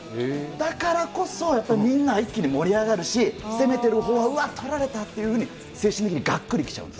だからこそ、やっぱりみんな、一気に盛り上がるし、攻めてるほうも、うわっ、取られたっていうふうに、精神的にがっくりきちゃうんです。